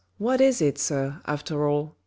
What is it, sir after all ?